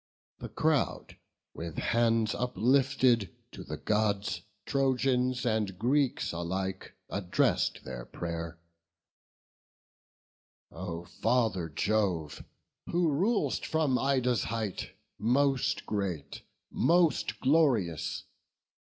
The crowd, with hands uplifted, to the Gods, Trojans and Greeks alike, address'd their pray'r: "O Father Jove! who rul'st from Ida's height, Most great! most glorious!